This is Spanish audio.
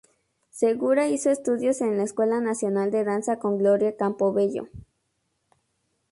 Segura hizo estudios en la Escuela Nacional de Danza con Gloria Campobello.